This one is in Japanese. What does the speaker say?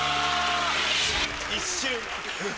一瞬。